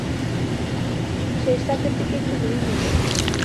শেষ্যরাতের দিকে একটু ঘুম এল।